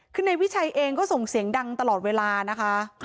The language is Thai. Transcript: คือนายวิชัยเองก็ส่งเสียงดังตลอดเวลานะคะ